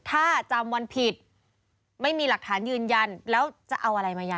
ถ้าจำวันผิดไม่มีหลักฐานยืนยันแล้วจะเอาอะไรมายา